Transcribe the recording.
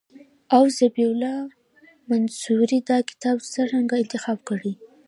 او ذبیح الله منصوري دا کتاب څرنګه انتخاب کړی.